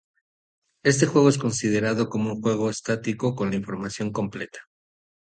Este juego es considerado como un juego estático con información completa.